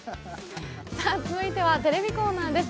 続いてはテレビコーナーです。